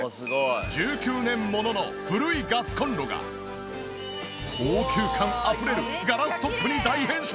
１９年ものの古いガスコンロが高級感あふれるガラストップに大変身！